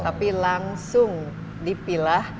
tapi langsung dipilah